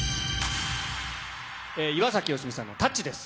岩崎良美さんのタッチです。